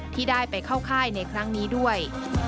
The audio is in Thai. ที่ได้ไปเข้าค่ายในครั้งนี้ด้วย